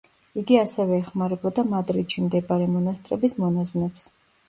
იგი ასევე ეხმარებოდა მადრიდში მდებარე მონასტრების მონაზვნებს.